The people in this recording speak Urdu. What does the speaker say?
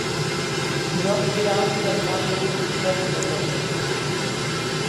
غم بیان کرنا میری فطرت میں نہیں